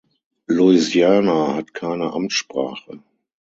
Louisiana hat keine Amtssprache.